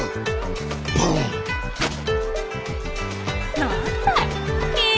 ・何だい！